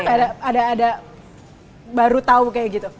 pernah nggak ada baru tahu kayak gitu